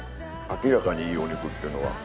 明らかにいいお肉っていうのは。